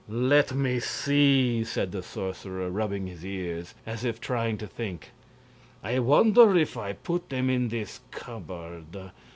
"Let me see," said the sorcerer, rubbing his ears, as if trying to think; "I wonder if I put them in this cupboard.